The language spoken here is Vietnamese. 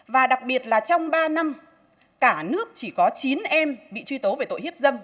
và đặc biệt là trong ba năm cả nước chỉ có chín em bị truy tố về tội hiếp dâm